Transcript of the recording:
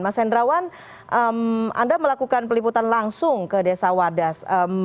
mas hendrawan anda melakukan peliputan langsung ke desa wadas